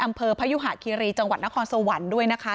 อำเภอพายุหาคิริจังหวัดนครสวรรค์ด้วยนะคะ